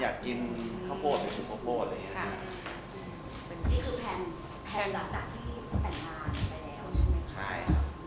อยากกินข้าวโปรดก็ไปเอาข้าวโปรดเลย